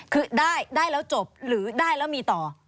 คือได้แล้วจบหรือได้แล้วมีต่อ